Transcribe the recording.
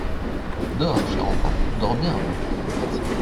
Dors, chère enfant !… dors bien, ma petite Berthe !…